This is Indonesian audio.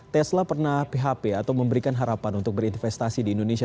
tesla pernah php atau memberikan harapan untuk berinvestasi di indonesia